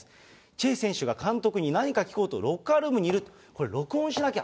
チェ選手が監督に何か聞こうと、ロッカールームにいる、これ、録音しなきゃ。